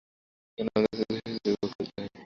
এখানে আমাদের কিছু দুঃখ, কিছু সুখ ভোগ করিতে হয়।